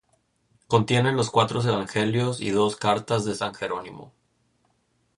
Contiene los cuatro evangelios y dos cartas de San Jerónimo.